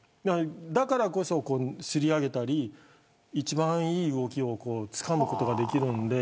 だからこそ、すり上げたり一番いい動きをつかむことができるので。